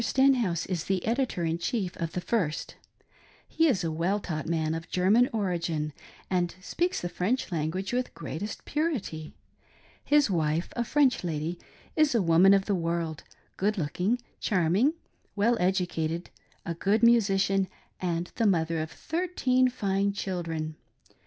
Stenhouse is editor in chief of the first He is a well taught man of German origin, and speaks the French language with the greatest purity. His wife, a French lady, is a woman of the world — good looking, ikarra ing, well educated, a good musician, and the mother of thirteen fine children.